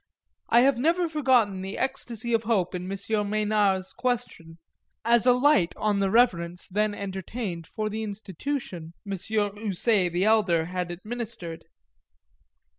I have never forgotten the ecstasy of hope in M. Mesnard's question as a light on the reverence then entertained for the institution M. Houssaye the elder had administered.